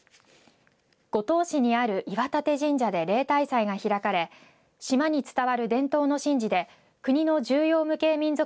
五島市にある巖立神社で例大祭が開かれ島に伝わる伝統の神事で国の重要無形民俗